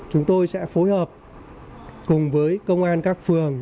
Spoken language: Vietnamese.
chúng tôi sẽ phối hợp cùng với công an các phường